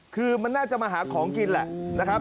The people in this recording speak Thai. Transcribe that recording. คือมันน่าจะมาหาของกินแหละนะครับ